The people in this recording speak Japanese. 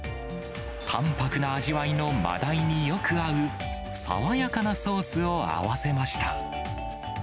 たんぱくな味わいのマダイによく合う爽やかなソースを合わせました。